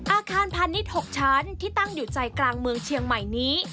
อาคารพาณิชย์๖ชั้นที่ตั้งอยู่ใจกลางเมืองเชียงใหม่นี้